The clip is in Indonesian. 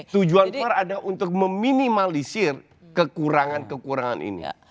tujuan pan adalah untuk meminimalisir kekurangan kekurangan ini